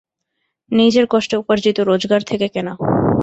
নিজের কষ্টে উপার্জিত রোজগার থেকে কেনা।